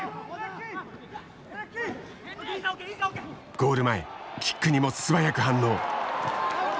ゴール前キックにもすばやく反応。